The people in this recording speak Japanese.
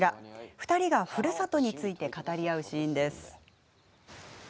２人がふるさとについて語り合うシーンです。